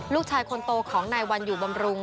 ลูกชายคนโตของนายวันอยู่บำรุง